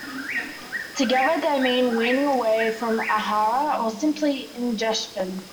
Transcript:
Together they mean "weaning away from ahara", or simply ingestion.